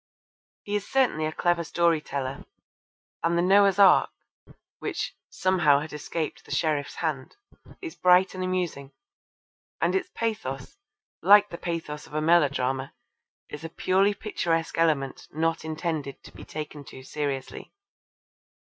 He is certainly a clever story teller, and The Noah's Ark (which 'somehow had escaped the sheriff's hand') is bright and amusing, and its pathos, like the pathos of a melodrama, is a purely picturesque element not intended to be taken too seriously.